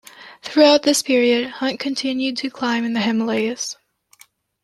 Throughout this period Hunt continued to climb in the Himalayas.